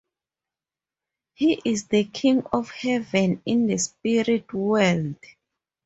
He is the King of Heaven in the spirit world.